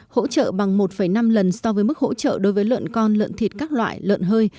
hỗ trợ bằng một năm lần so với mức hỗ trợ đối với lợn con lợn thịt các loại lợn hơi